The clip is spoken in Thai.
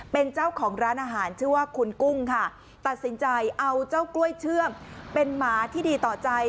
เป็นเจ้าของร้านอาหารชื่อว่าคุณกุ้งค่ะตัดสินใจเอาเจ้ากล้วยเชื่อมเป็นหมาที่ดีต่อใจ